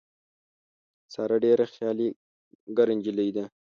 ساره ډېره خیالي ګره نجیلۍ ده.